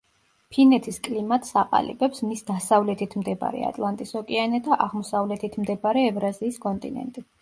ფინეთის კლიმატს აყალიბებს მის დასავლეთით მდებარე ატლანტის ოკეანე და აღმოსავლეთით მდებარე ევრაზიის კონტინენტი.